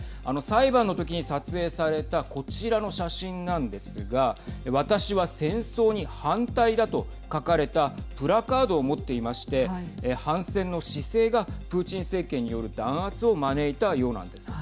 裁判のときに撮影されたこちらの写真なんですが私は戦争に反対だと書かれたプラカードを持っていまして反戦の姿勢がプーチン政権による弾圧を招いたようなんです。